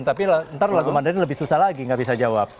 tapi ntar lagu mandarin lebih susah lagi nggak bisa jawab